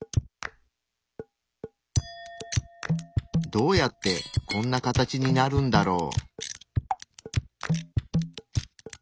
どうやってこんな形になるんだろう？